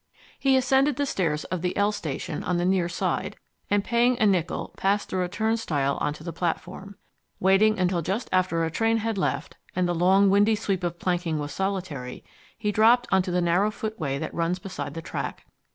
He ascended the stairs of the "L" station, on the near side, and paying a nickel passed through a turnstile onto the platform. Waiting until just after a train had left, and the long, windy sweep of planking was solitary, he dropped onto the narrow footway that runs beside the track.